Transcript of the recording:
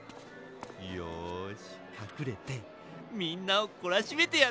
よしかくれてみんなをこらしめてやる！